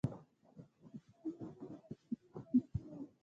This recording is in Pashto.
مکالمې د شخصیتونو وده ښيي.